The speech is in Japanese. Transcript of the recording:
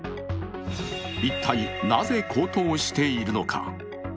一体なぜ高騰しているのか。